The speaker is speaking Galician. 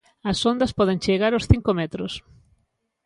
As ondas poden chegar ós cinco metros.